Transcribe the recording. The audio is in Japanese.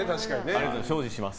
ありがとうございます。